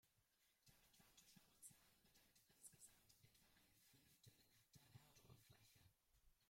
Der Atlantische Ozean bedeckt insgesamt etwa ein Fünftel der Erdoberfläche.